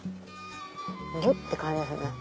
ギュって感じですね。